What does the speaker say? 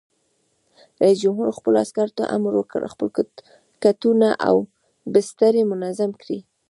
رئیس جمهور خپلو عسکرو ته امر وکړ؛ خپل کټونه او بسترې منظم کړئ!